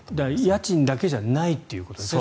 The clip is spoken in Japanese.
家賃だけじゃないということですね。